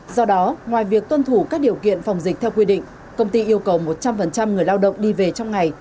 do đó ngoài việc tuân thủ các điều kiện phòng dịch theo quy định công ty yêu cầu một trăm linh người lao động đi về trong ngày